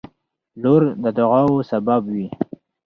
• لور د دعاوو سبب وي.